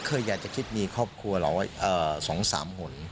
เคยอยากจะคิดมีครอบครัวเราสองสามหล่น